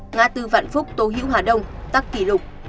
ngã tư vạn phúc tô hữu hà đông tắc kỷ lục